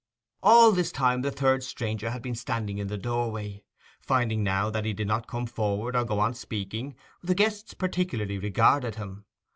All this time the third stranger had been standing in the doorway. Finding now that he did not come forward or go on speaking, the guests particularly regarded him.